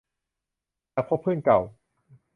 หากพบเพื่อนเก่า